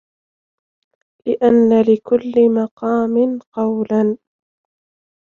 لِأَنَّ لِكُلِّ مَقَامٍ قَوْلًا